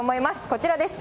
こちらです。